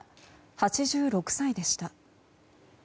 ８６歳でした。